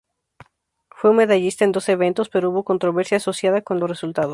Fue un medallista en dos eventos, pero hubo controversia asociada con los resultados.